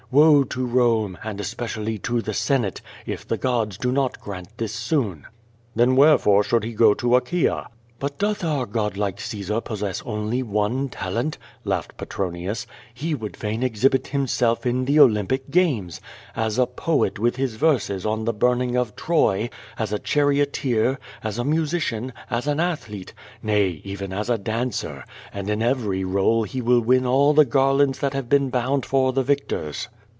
Woe to Rome, and es pecially to the Senate, if the gods do not grant this soon.^* "Then wherefore should he gc 3 Achaea?" "But doth our god like Caesar possess only one talent?" laughed Petronius. "He would fain exhibit himself in the Olympic games, as a poet with his verses on the burning of Troy, as a charioteer, as a musician, as an athlete, — nay, even as a dancer, and in every role he will win all the garlands that have been bound for the victors.